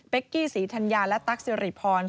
กี้ศรีธัญญาและตั๊กสิริพร